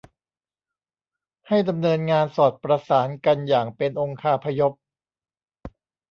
ให้ดำเนินงานสอดประสานกันอย่างเป็นองคาพยพ